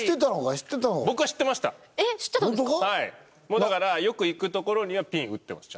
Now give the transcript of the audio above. もうだからよく行く所にはピン打ってます